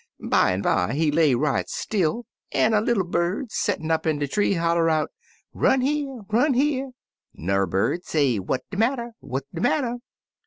Bimeby he lay right still, an' a little bird, settin' up in de tree, holler out, *Run here I Run here I' 'N'er bird say, 'What de matter? What de matter?'